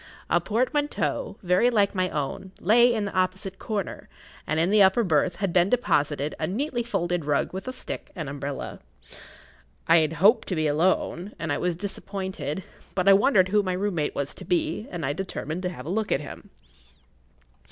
A portmanteau, very like my own, lay in the opposite corner, and in the upper berth had been deposited a neatly folded rug with a stick and umbrella. I had hoped to be alone, and I was disappointed; but I wondered who my room mate was to be, and I determined to have a look at him.